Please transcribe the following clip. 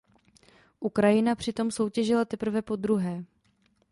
Ukrajina přitom soutěžila teprve podruhé.